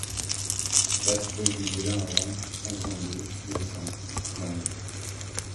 quatre rue du Moulin À Vent, cinquante-deux, deux cents, Langres